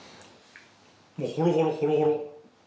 もうホロホロホロホロ。